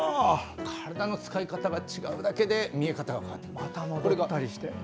体の使い方が違うだけで見え方が変わってくる。